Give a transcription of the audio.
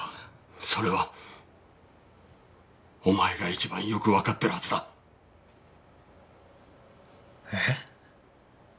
それはお前が一番よくわかってるはずだ。え？